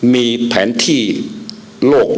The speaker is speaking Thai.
มีแผนที่โลก